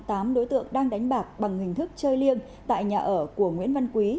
tám đối tượng đang đánh bạc bằng hình thức chơi liêng tại nhà ở của nguyễn văn quý